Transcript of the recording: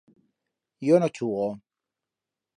Yo no chugo.